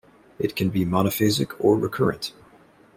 It can be monophasic or recurrent.